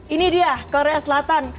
ini dia korea selatan